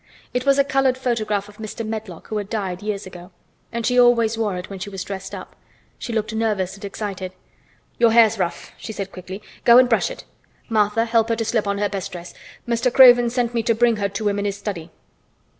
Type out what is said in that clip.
It was a colored photograph of Mr. Medlock who had died years ago, and she always wore it when she was dressed up. She looked nervous and excited. "Your hair's rough," she said quickly. "Go and brush it. Martha, help her to slip on her best dress. Mr. Craven sent me to bring her to him in his study."